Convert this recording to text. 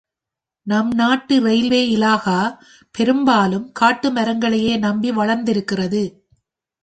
நம் நாட்டு இரயில்வே இலாகா, பெரும்பாலும் காட்டு மரங்களையே நம்பி வளர்ந்திருக்கிறது.